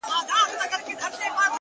لوی بدلون له کوچني تصمیم پیلېږي,